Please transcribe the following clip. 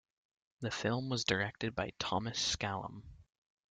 The film was directed by Thomas Schlamme.